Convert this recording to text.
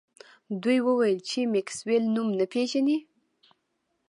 دوی وویل چې میکسویل نوم نه پیژني